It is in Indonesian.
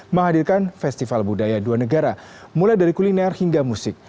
menghadirkan festival budaya dua negara mulai dari kuliner hingga musik